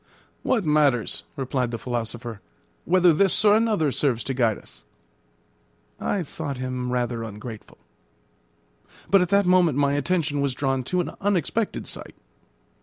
"What matters," replied the philosopher, "whether this or another serves to guide us?" I thought him rather ungrateful. But at that moment my attention was drawn to an unexpected sight.